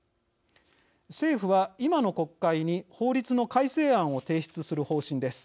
政府は、今の国会に法律の改正案を提出する方針です。